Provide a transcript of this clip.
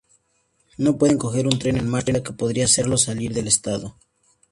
No pueden coger un tren en marcha, que podría hacerlos salir del estado.